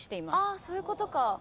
・あそういうことか。